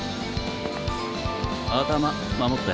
頭守って。